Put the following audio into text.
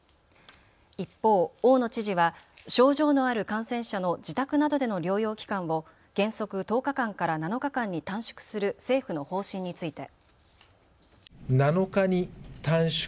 一方、大野知事は症状のある感染者の自宅などでの療養期間を原則１０日間から７日間に短縮する政府の方針について。